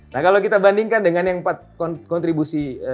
nah kalau kita bandingkan dengan yang empat kontribusi